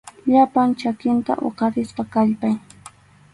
Llapan chakinta huqarispa kallpay.